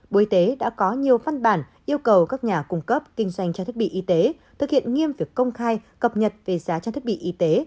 bộ y tế đã có nhiều văn bản yêu cầu các nhà cung cấp kinh doanh trang thiết bị y tế thực hiện nghiêm việc công khai cập nhật về giá trang thiết bị y tế